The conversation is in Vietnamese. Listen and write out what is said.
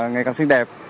ngày càng xinh đẹp